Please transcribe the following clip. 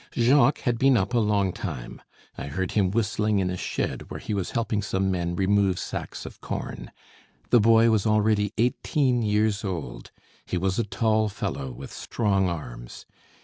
Jacques had been up a long time. I heard him whistling in a shed, where he was helping some men remove sacks of corn. The boy was already eighteen years old; he was a tall fellow, with strong arms.